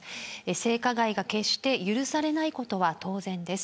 性加害が決して許されないことは当然です。